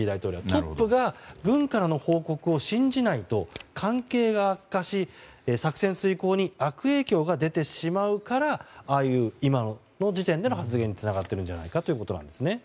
トップが軍からの報告を信じないと関係が悪化し作戦遂行に悪影響が出るから今の時点での発言につながっているんじゃないかということですね。